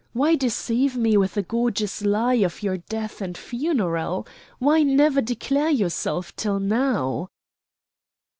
Why deceive me with a gorgeous lie of your death and funeral? Why never declare yourself till now?"